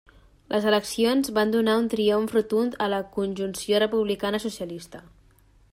Les eleccions van donar un triomf rotund a la Conjunció republicana-socialista.